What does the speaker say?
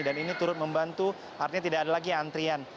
dan ini turut membantu artinya tidak ada lagi antrian